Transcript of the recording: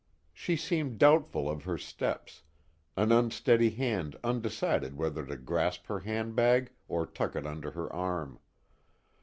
She seemed doubtful of her steps, an unsteady hand undecided whether to grasp her handbag or tuck it under her arm.